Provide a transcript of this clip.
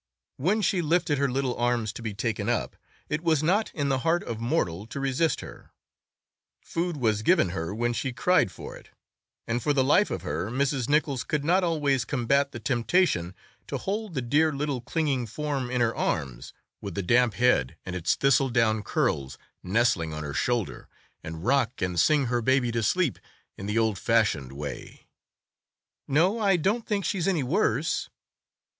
When she lifted her little arms to be "taken up" it was not in the heart of mortal to resist her; food was given her when she cried for it, and for the life of her Mrs. Nichols could not always combat the temptation to hold the dear little clinging form in her arms, with the damp head and its thistledown curls nestling on her shoulder, and rock and sing her baby to sleep in the old fashioned way. "No, I don't think she's any worse."